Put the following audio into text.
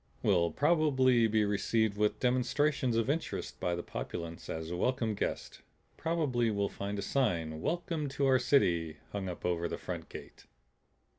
"We'll probably be received with demonstrations of interest by the populace as welcome guests. Probably we'll find a sign 'Welcome to our City' hung up over the front gate."